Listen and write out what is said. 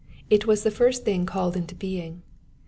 It was the first thing called into being.